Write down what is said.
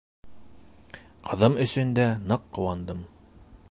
Ҡыҙым өсөн дә ныҡ ҡыуандым.